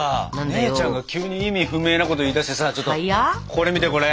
姉ちゃんが急に意味不明なこと言いだしてさちょっとこれ見てこれ。